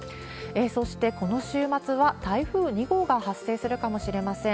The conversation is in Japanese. そして、この週末は台風２号が発生するかもしれません。